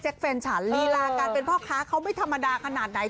แฟนฉันลีลาการเป็นพ่อค้าเขาไม่ธรรมดาขนาดไหน